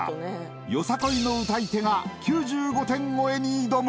よさこいの歌い手が９５点超えに挑む